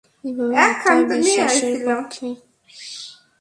এভাবে মিথ্যা বিশ্বাসের পক্ষে প্রচারণা চালিয়ে সমাজে কুসংস্কার ছড়িয়ে দেওয়া হয়েছে।